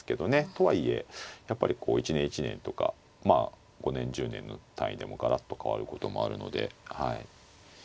とはいえやっぱりこう一年一年とかまあ５年１０年の単位でもガラッと変わることもあるので。